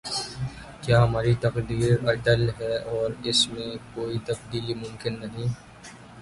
کیا ہماری تقدیر اٹل ہے اور اس میں کوئی تبدیلی ممکن نہیں؟